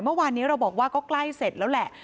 เมื่อวานนี้เราบอกว่าก็ใกล้เสร็จแล้วแหละ